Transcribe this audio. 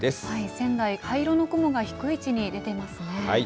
仙台、灰色の雲が低い位置に出ていますね。